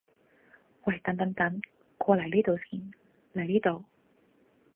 喂等等等！過嚟呢度先！嚟呢度！